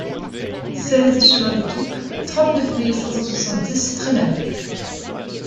seize chemin des Toupes, trente-neuf mille cinq cent soixante-dix Trenal